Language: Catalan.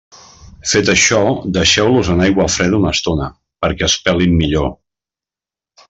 Fet això, deixeu-los en aigua freda una estona, perquè es pelin millor.